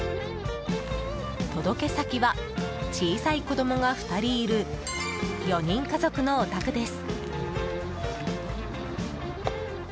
届け先は、小さい子どもが２人いる４人家族のお宅です。